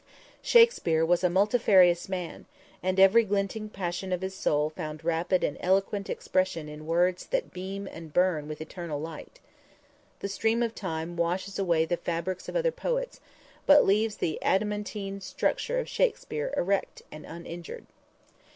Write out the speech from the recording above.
Shakspere was a multifarious man, and every glinting passion of his soul found rapid and eloquent expression in words that beam and burn with eternal light. The stream of time washes away the fabrics of other poets, but leaves the adamantine structure of Shakspere erect and uninjured.